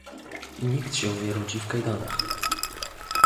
"Nikt się nie rodzi w kajdanach."